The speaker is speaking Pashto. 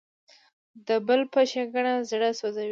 د بل په ښېګڼه زړه سوځي.